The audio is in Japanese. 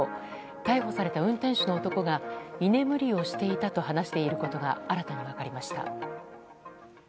逮捕された運転手の男が居眠りをしていたと話していることが新たに分かりました。